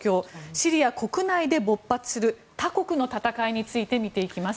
シリア国内で勃発する他国の戦いについて見ていきます。